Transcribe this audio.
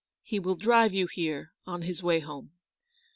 He will drive you here on his way home.